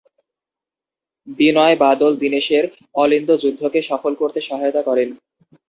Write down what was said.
বিনয়-বাদল-দীনেশের অলিন্দ-যুদ্ধকে সফল করতে সহায়তা করেন।